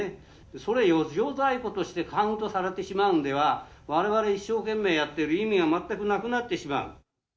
それを余剰在庫としてカウントされてしまうんでは、われわれ、一生懸命やっている意味が全くなくなってしまう。